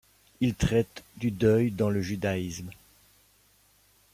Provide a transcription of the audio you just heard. Il traite du deuil dans le judaïsme.